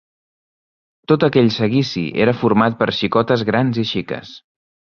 Tot aquell seguici era format per xicotes grans i xiques